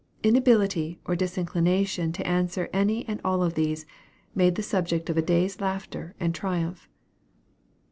Inability or disinclination to answer any and all of these, made the subject of a day's laughter and triumph.